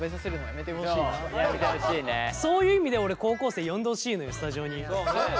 そういう意味で俺高校生呼んでほしいのよスタジオに。